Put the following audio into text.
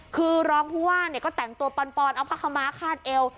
คือรองผู้ว่าเนี่ยก็แต่งตัวปอนเอาพระคมาฆาตเอล